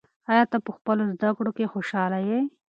آیا ته په خپلو زده کړو کې خوشحاله یې؟